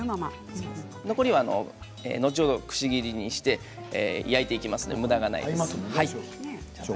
残りは後ほどくし切りにして焼いていきますので無駄がないです。